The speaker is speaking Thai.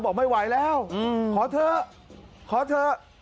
บอกไม่ไหวแล้วขอเถอะขอเถอะ